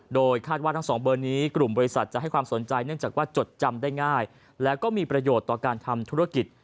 โดยคาดว่าทั้งสองเบอร์นี้กลุ่มบริษัทจะให้ความสนใจเนื่องจากว่าจดจำได้ง่ายแล้วก็มีประโยชน์ต่อการทำธุรกิจ